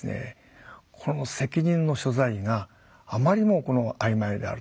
この責任の所在があまりにも曖昧であると。